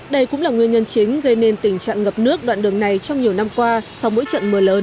đây cũng là nguyên nhân chính gây nên tình trạng ngập nước đoạn đường này trong nhiều năm qua sau mỗi trận mưa lớn